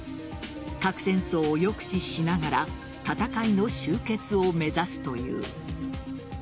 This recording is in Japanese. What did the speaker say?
核戦争を抑止しながら戦いの終結を目指すという。